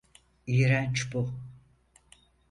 İğrenç bu.